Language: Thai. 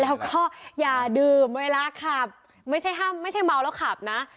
แล้วก็อย่าดื่มไว้แล้วครับไม่ใช่เมาแล้วครับนะ